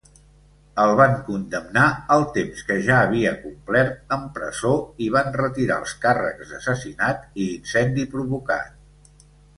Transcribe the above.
El van condemnar al temps que ja havia complert en presó i van retirar els càrrecs d'assassinat i incendi provocat.